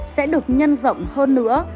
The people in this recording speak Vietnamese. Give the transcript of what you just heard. sẽ được nhân rộng hơn nữa